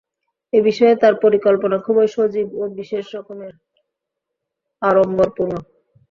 এ বিষয়ে তাঁর পরিকল্পনা খুবই সজীব ও বিশেষ রকমের আড়ম্বরপূর্ণ।